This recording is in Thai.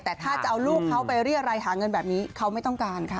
แต่ถ้าจะเอาลูกเขาไปเรียรัยหาเงินแบบนี้เขาไม่ต้องการค่ะ